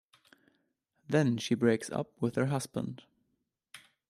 Then she breaks up with her husband.